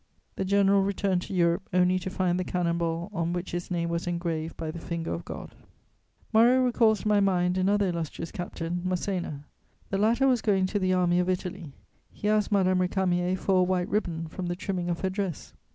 The general returned to Europe only to find the cannon ball on which his name was engraved by the finger of God. Moreau recalls to my mind another illustrious captain, Masséna. The latter was going to the Army of Italy; he asked Madame Récamier for a white ribbon from the trimming of her dress.